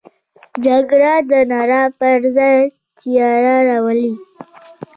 جګړه د رڼا پر ځای تیاره راولي